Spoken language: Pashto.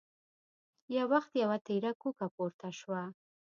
يو وخت يوه تېره کوکه پورته شوه.